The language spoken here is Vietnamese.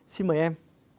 xin mời em